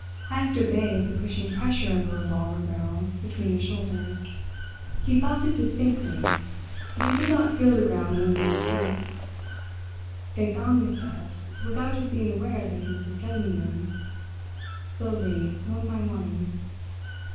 Heyst obeyed the pushing pressure of a revolver barrel between his shoulders. He felt it distinctly, but he did not feel the ground under his feet. They found the steps, without his being aware that he was ascending them slowly, one by one.